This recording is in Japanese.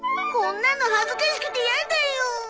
こんなの恥ずかしくてやだよ。